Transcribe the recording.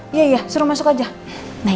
dimana ada gua sih kesini